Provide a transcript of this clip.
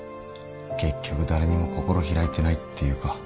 結局誰にも心開いてないっていうか。